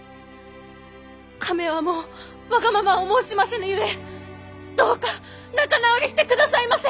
亀はもうわがままを申しませぬゆえどうか仲直りしてくださいませ！